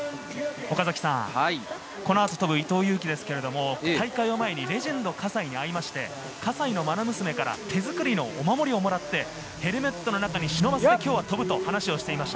この後、飛ぶ伊藤有希、大会を前にレジェンド葛西に会って、葛西のまな娘から手作りのお守りをもらって、ヘルメットの中に忍ばせて今日は飛ぶと話していました。